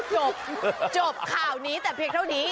จบจบข่าวนี้แต่เพียงเท่านี้